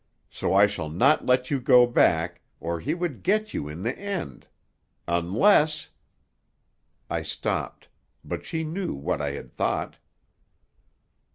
So I shall not let you go back, or he would get you in the end. Unless " I stopped. But she knew what I had thought.